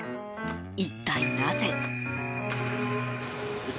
一体、なぜ？